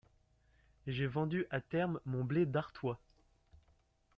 J'ai vendu à terme mon blé d'Artois.